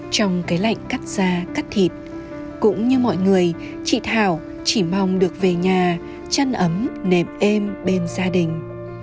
trong cái lạnh cắt da cắt thịt cũng như mọi người chị thảo chỉ mong được về nhà chăn ấm nệp êm bên gia đình